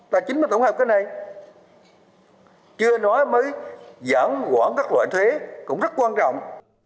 tài chính mà tổng hợp cái này chưa nói mới giảm quản các loại thuế cũng rất quan trọng